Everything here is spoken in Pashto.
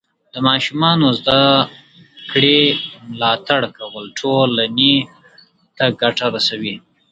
د ماشومانو د زده کړې ملاتړ کول ټولنې ته ګټه رسوي.